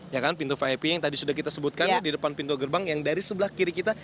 ya kan pintu vip yang tadi sudah kita sebutkan ya di depan pintu gerbang yang dari sebelah kiri kita